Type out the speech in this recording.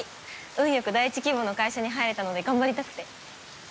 運よく第１希望の会社に入れたので頑張りたくて。